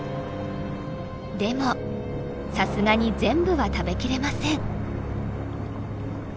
でもさすがに全部は食べ切れません。